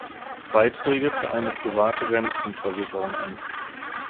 Beiträge für eine private Rentenversicherung an.